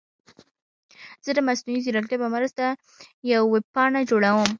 زه د مصنوعي ځیرکتیا په مرسته یوه ویب پاڼه جوړوم.